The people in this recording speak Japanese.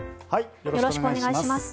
よろしくお願いします。